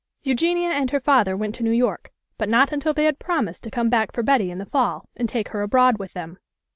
Eugenia and her father went to New York, but not until they had promised to come back for Betty in the fall, and take her abroad with them.